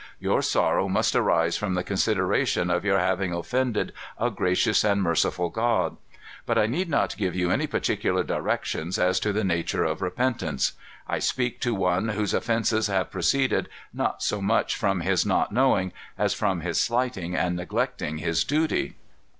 Your sorrow must arise from the consideration of your having offended a gracious and merciful God. But I need not give you any particular directions as to the nature of repentance. I speak to one whose offences have proceeded, not so much from his not knowing, as from his slighting and neglecting his duty.